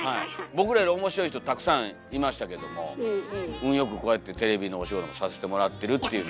僕らより面白い人たくさんいましたけども運良くこうやってテレビのお仕事もさせてもらってるっていうのは。